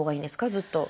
ずっと。